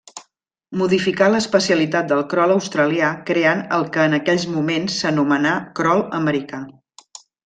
Modificà l'especialitat del crol australià creant el que en aquells moments s'anomenà crol americà.